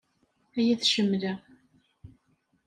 Ay at ccemla.